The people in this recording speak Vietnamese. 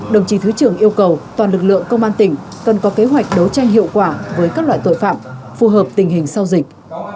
đồng chí thứ trưởng yêu cầu toàn lực lượng công an tỉnh cần có kế hoạch đấu tranh hiệu quả với các loại tội phạm phù hợp tình hình sau dịch